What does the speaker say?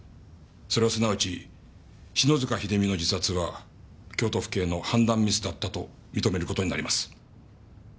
それはすなわち篠塚秀実の自殺は京都府警の判断ミスだったと認める事になります。